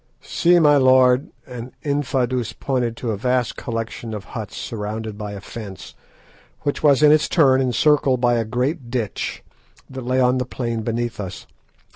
"See, my lord," and Infadoos pointed to a vast collection of huts surrounded by a fence, which was in its turn encircled by a great ditch, that lay on the plain beneath us.